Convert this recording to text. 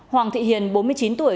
hoàng thị hiền bốn mươi chín tuổi